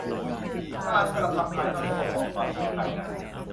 การกระทำภายนอกจะบ่งบอกความคิดภายใน